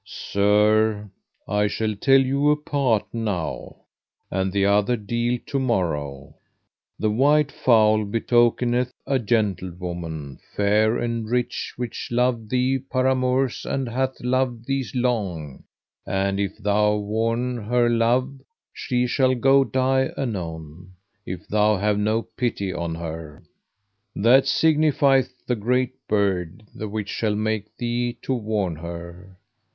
Sir, I shall tell you a part now, and the other deal to morrow. The white fowl betokeneth a gentlewoman, fair and rich, which loved thee paramours, and hath loved thee long; and if thou warn her love she shall go die anon, if thou have no pity on her. That signifieth the great bird, the which shall make thee to warn her.